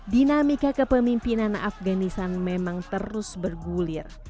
dinamika kepemimpinan afganistan memang terus bergulir